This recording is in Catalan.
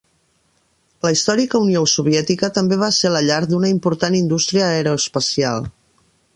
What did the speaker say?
La històrica Unió Soviètica també va ser la llar d'una important indústria aeroespacial.